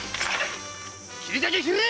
斬りたきゃ斬れ‼